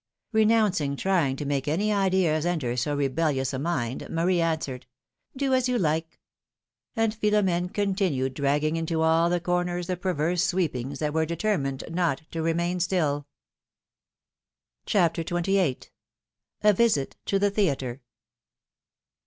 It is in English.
Renouncing trying to make any ideas enter so rebellious a mind, Marie answered ; Do as you like !" And Philomene continued dragging into all the corners the perverse sweepings, that were determined not to remain still. 208 PHILOMilNE's MARRIAGES. CHAPTER XXVIII. A VISIT TO THE THEATRE.